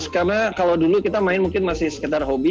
karena kalau dulu kita main mungkin masih sekitar hobi